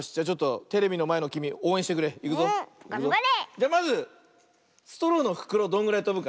じゃまずストローのふくろどんぐらいとぶか。